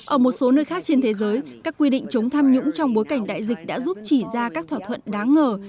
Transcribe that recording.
ở một số nơi khác trên thế giới các quy định chống tham nhũng trong bối cảnh đại dịch đã giúp chỉ ra các thỏa thuận đáng ngờ